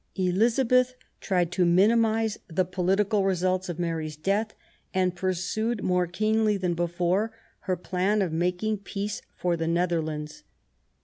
Elizabeth tried to minimise the political results of Mary's death, and pursued more keenly than before her plan of making peace for the Netherlands.